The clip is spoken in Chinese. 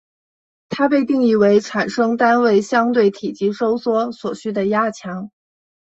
它被定义为产生单位相对体积收缩所需的压强。